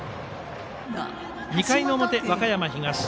２回の表、和歌山東